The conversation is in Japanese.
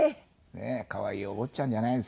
可愛いお坊ちゃんじゃないですか。